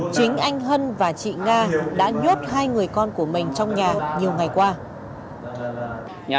chính anh hân và chị nga đã nhấp hai người con của mình trong nhà nhiều ngày qua